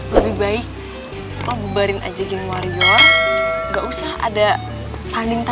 nanti lo berhasil sama kayaknya